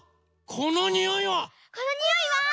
このにおいは？